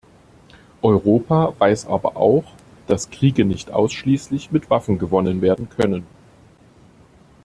Europa weiß aber auch, dass Kriege nicht ausschließlich mit Waffen gewonnen werden können.